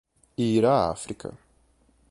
ir a África